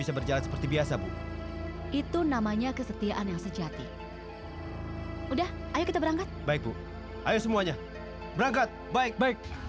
suci begitu keadaan yang yaib